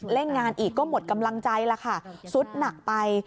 เล่นงานอีกก็หมดกำลังใจแล้วค่ะสุดหนักไป